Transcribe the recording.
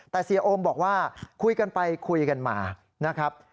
แต่เซียโอมบอกว่าคุยกันไปคุยกันมา